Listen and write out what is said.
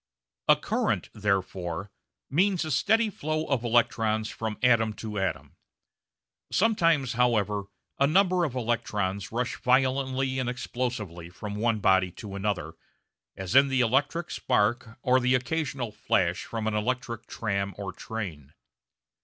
A current, therefore, means a steady flow of the electrons from atom to atom. Sometimes, however, a number of electrons rush violently and explosively from one body to another, as in the electric spark or the occasional flash from an electric tram or train.